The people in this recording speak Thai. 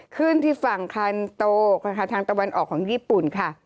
ขึ้นที่ฝั่งคันโตทางตะวันออกของญี่ปุ่นค่ะ